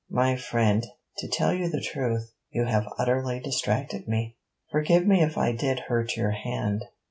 'My friend, to tell you the truth, you have utterly distracted me.' 'Forgive me if I did hurt your hand.'